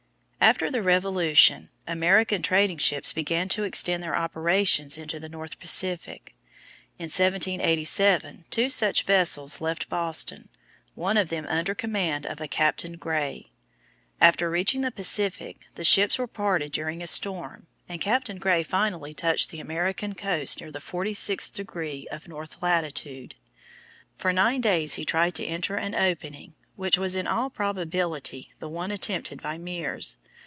After the Revolution, American trading ships began to extend their operations into the North Pacific. In 1787 two such vessels left Boston, one of them under command of a Captain Gray. After reaching the Pacific, the ships were parted during a storm, and Captain Gray finally touched the American coast near the forty sixth degree of north latitude. For nine days he tried to enter an opening which was in all probability the one attempted by Meares.